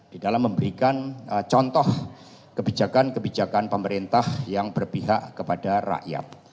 di dalam memberikan contoh kebijakan kebijakan pemerintah yang berpihak kepada rakyat